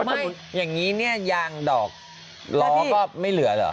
อย่างนี้เนี่ยยางดอกล้อก็ไม่เหลือเหรอ